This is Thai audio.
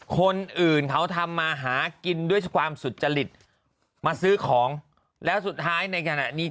คนอื่นเขาทำมาหากินด้วยความสุจริตมาซื้อของแล้วสุดท้ายในขณะนี้